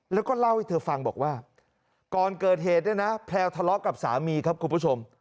แล้วก็เล่าให้เธอฟังบอกว่าก่อนเกิดเหตุเนี่ยนะแพลวทะเลาะกับสามีครับคุณผู้ชม